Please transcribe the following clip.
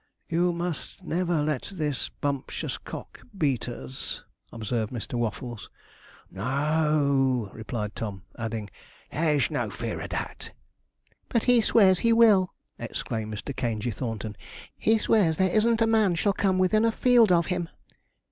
'You must never let this bumptious cock beat us,' observed Mr. Waffles. 'No o o,' replied Tom, adding, 'there's no fear of that.' 'But he swears he will!' exclaimed Mr. Caingey Thornton. 'He swears there isn't a man shall come within a field of him.'